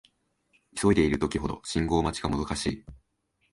急いでいる時ほど信号待ちがもどかしい